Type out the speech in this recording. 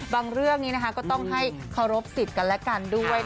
เรื่องนี้ก็ต้องให้เคารพสิทธิ์กันและกันด้วย